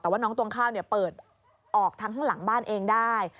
แต่ว่าน้องตวงข้าวเนี่ยเปิดออกทางหลังบ้านเองได้